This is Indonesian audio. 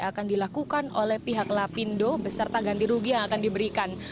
akan dilakukan oleh pihak lapindo beserta ganti rugi yang akan diberikan